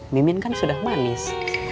mimin kan sudah manis